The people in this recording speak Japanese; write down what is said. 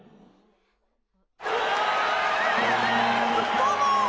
どどうも。